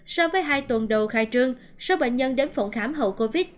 so với hai tuần đầu khai trương số bệnh nhân đến phòng khám hậu covid